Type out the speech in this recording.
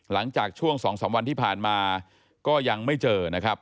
หลังจากช่วง๒๓วันที่ผ่านมาก็ยังไม่เจอนะครับ